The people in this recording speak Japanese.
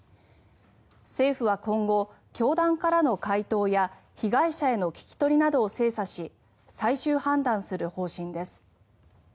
政府は今後、教団からの回答や被害者への聞き取りなどを精査し最終判断する方針です。